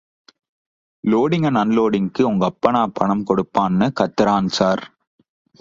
Loading and அன்லோடிங்கிற்கு ஒங்கப்பனா பணம் கொடுப்பான் னு கத்தறான் ஸார்.